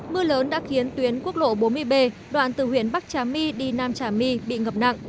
mưa lớn đã khiến tuyến quốc lộ bốn mươi b đoạn từ huyện bắc trà my đi nam trà my bị ngập nặng